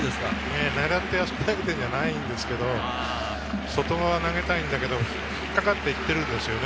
狙って投げてるわけじゃないんですけど、外側に投げたいんだけど、引っかかって行ってるんですよね。